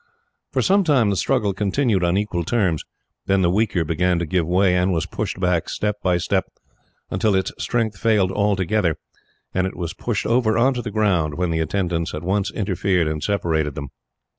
For some time the struggle continued on equal terms. Then the weaker began to give way, and was pushed back, step by step, until its strength failed altogether, and it was pushed over on to the ground, when the attendants at once interfered and separated them.